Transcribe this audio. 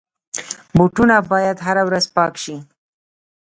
بوټونه باید هره ورځ پاک شي.